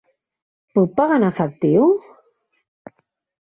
Puc pagar en efectiu?